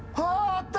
あった！